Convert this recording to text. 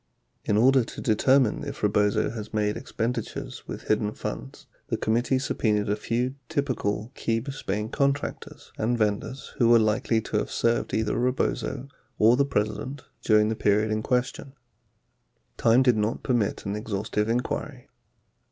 In order to determine if Rebozo has made expenditures with hidden funds, the committee subpenaed a few typical Key Biscayne contractors and vendors who were likely to have served either Rebozo or the President during the period in question. 42 Time did not permit an exhaustive inquiry.